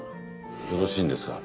よろしいんですか？